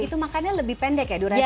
itu makanya lebih pendek ya duracenya ya